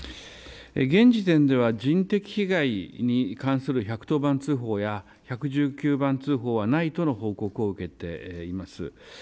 現時点では人的被害に関する１１０番通報や１１９番通報はないとの報告を受けています。